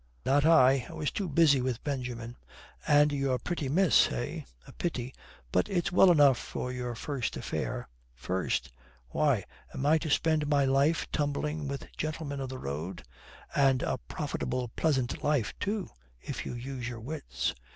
"Not I. I was too busy with Benjamin." "And your pretty miss, eh? A pity. But it's well enough for your first affair." "First? Why, am I to spend my life tumbling with gentlemen of the road?" "And a profitable, pleasant life too, if you use your wits."